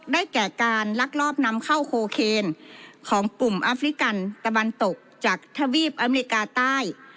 แก่การลักลอบนำเข้าโคเคนของกลุ่มอัฟริกันตะวันตกจากทวีปอเมริกาใต้